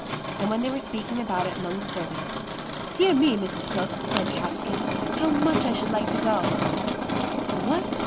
And when they were speaking about it among the servants, "Dear me, Mrs. Cook," said Catskin, "how much I should Hke to go V* "What!